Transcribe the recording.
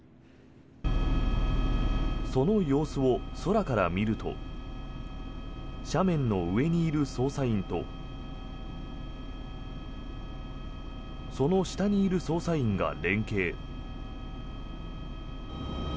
その様子を空から見ると斜面の上にいる捜査員とその下にいる捜査員が連携。